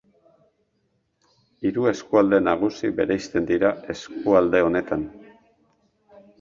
Hiru eskualde nagusi bereizten dira eskualde honetan.